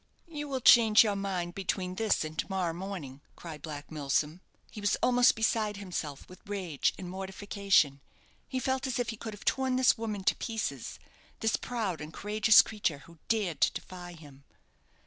"You will change your mind between this and to morrow morning," cried Black Milsom. He was almost beside himself with rage and mortification. He felt as if he could have torn this woman to pieces this proud and courageous creature, who dared to defy him.